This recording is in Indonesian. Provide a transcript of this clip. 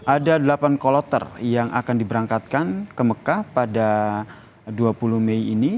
ada delapan kolotter yang akan diberangkatkan ke mekah pada dua puluh mei ini